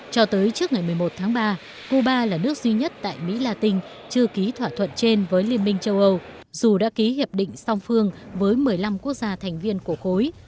cho tới trước ngày một mươi một tháng ba cuba là nước duy nhất tại mỹ latin chưa ký thỏa thuận trên với liên minh châu âu dù đã ký hiệp định song phương với một mươi năm quốc gia thành viên của khối